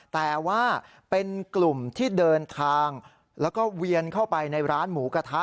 แต่ว่าเป็นกลุ่มที่เดินทางแล้วก็เวียนเข้าไปในร้านหมูกระทะ